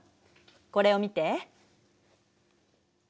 これを見て。